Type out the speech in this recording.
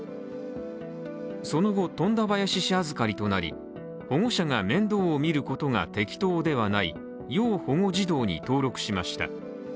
その後、富田林市預かりとなり保護者が面倒をみることが適当ではない要保護児童に登録しました。